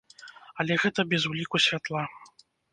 Але гэта без ўліку святла.